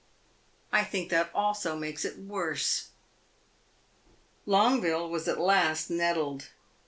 "I think that also makes it worse!" Longueville was at last nettled.